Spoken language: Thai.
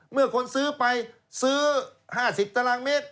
เมื่อคนซื้อไปซื้อ๕๐ตารางเมตร